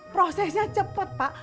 prosesnya cepat pak